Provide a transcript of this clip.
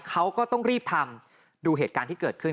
เขาก็ต้องรีบทำดูเหตุการณ์ที่เกิดขึ้น